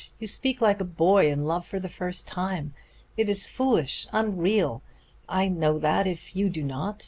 You speak like a boy in love for the first time. It is foolish, unreal I know that if you do not.